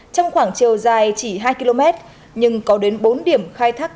trong khoảng chiều dài chỉ hai km nhưng có đến bốn điểm khai thác